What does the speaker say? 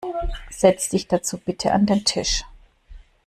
Setzt dich dazu bitte an den Tisch.